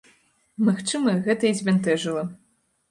Магчыма, гэта і збянтэжыла.